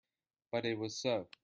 But it was so.